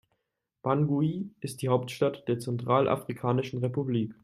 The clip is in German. Bangui ist die Hauptstadt der Zentralafrikanischen Republik.